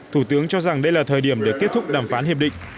thủ tướng cho rằng đây là thời điểm để kết thúc đàm phán hiệp định